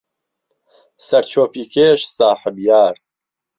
سەر چۆپی کێش ساحب یار